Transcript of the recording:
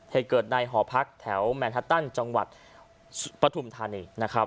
เหตุเกิดในหอพักแถวแมนฮาตันจังหวัดปฐุมธานีนะครับ